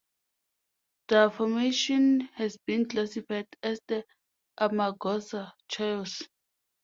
Their formation has been classified as the Amargosa Chaos.